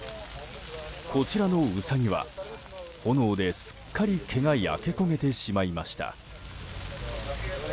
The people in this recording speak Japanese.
こちらのウサギは、炎ですっかり毛が焼け焦げてしまいました。